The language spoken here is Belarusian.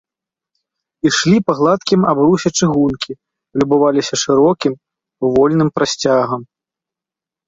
Ішлі па гладкім абрусе чыгункі, любаваліся шырокім, вольным прасцягам.